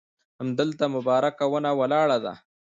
همدلته مبارکه ونه ولاړه ده.